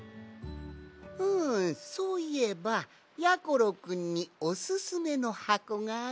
ふんそういえばやころくんにおすすめのはこがあるぞい。